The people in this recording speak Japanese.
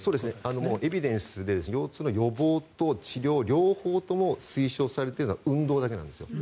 エビデンスで腰痛の予防と治療両方とも推奨されているのは運動だけなんですよ。